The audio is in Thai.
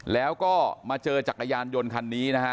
แล้วก็มาเจอจักรยานยนต์คันนี้นะฮะ